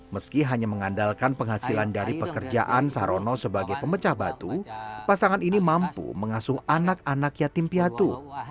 meski hanya mengandalkan penghasilan dari pekerjaan sarono sebagai pemecah batu pasangan ini mampu mengasuh anak anak yatim piatu